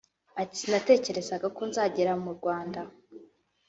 Ati “Sinatekerezaga ko nzagera mu Rwanda